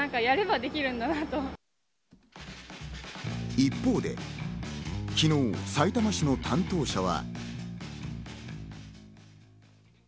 一方で昨日さいたま市の担当者は。